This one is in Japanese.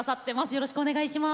よろしくお願いします。